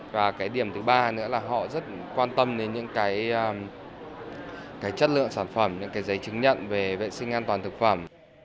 và cái điểm thứ ba nữa là họ rất quan tâm đến những cái chất lượng sản phẩm những cái giấy chứng nhận về vệ sinh an toàn thực phẩm